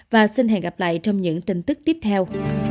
và xin hẹn gặp lại trong những tin tức tiếp theo